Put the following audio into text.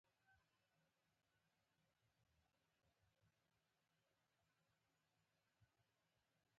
زده کوونکي دې په وار سره متن په لوړ اواز ولولي.